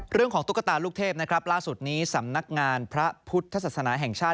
เรื่องของตุ๊กตาลูกเทพล่าสุดนี้สำนักงานพระพุทธศาสนาแห่งชาติ